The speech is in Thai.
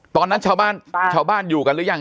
ตอนนั้นชาวบ้านชาวบ้านอยู่กันหรือยัง